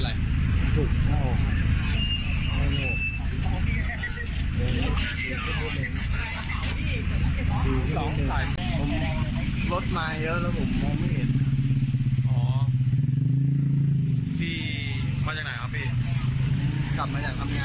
กลับมาจากทำงานครับผม